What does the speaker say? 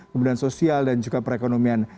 kemudian sosial dan juga perekonomian